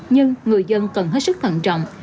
nhưng người dân cần hết sức thận trọng